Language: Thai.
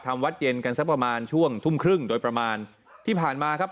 วัดเย็นกันสักประมาณช่วงทุ่มครึ่งโดยประมาณที่ผ่านมาครับ